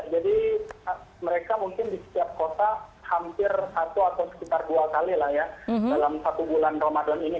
jadi mereka mungkin di setiap kota hampir satu atau sekitar dua kali lah ya dalam satu bulan ramadan ini